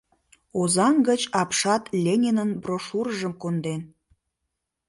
Озаҥ гыч апшат Ленинын брошюрыжым конден.